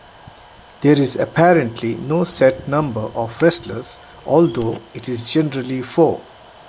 There is apparently no set number of wrestlers although it is generally four.